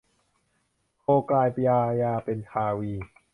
โคกลายกายาเป็นคาวี